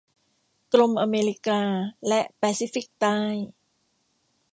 กรมอเมริกาและแปซิฟิกใต้